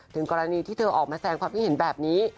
ถึงกรณีที่เธอออกมาแสงความคิดเห็นแบบนี้